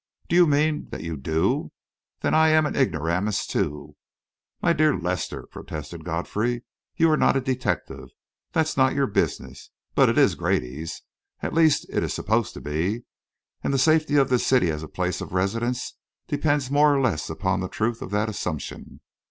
"Do you mean that you do? Then I'm an ignoramus, too!" "My dear Lester," protested Godfrey, "you are not a detective that's not your business; but it is Grady's. At least, it is supposed to be, and the safety of this city as a place of residence depends more or less upon the truth of that assumption.